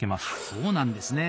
そうなんですね。